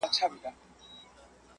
ډېر هوښیار وو د خپل کسب زورور وو؛